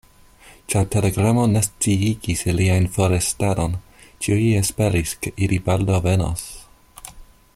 Ĉar telegramo ne sciigis ilian forrestadon, ĉiuj esperis, ke ili baldaŭ venos.